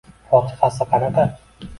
–Fotihasi qanaqa?